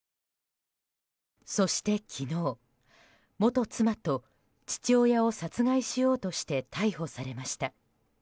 そして昨日、元妻と父親を殺害しようとして逮捕されました。